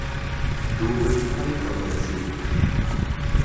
دوبی پای ته ورسېدی.